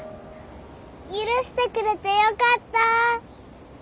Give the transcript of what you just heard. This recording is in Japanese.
許してくれてよかった。